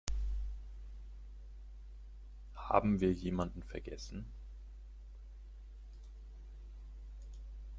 Haben wir jemanden vergessen?